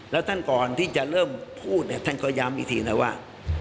แล้วท่านก่อนที่จะเริ่มพูดเนี่ยท่านก็ย้ำอีกทีนะว่า